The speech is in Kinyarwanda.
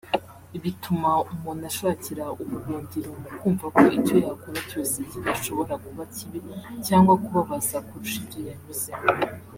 bituma umuntu ashakira ubuhungiro mu kumva ko icyo yakora cyose kidashobora kuba kibi cyangwa kubabaza kurusha ibyo yanyuzemo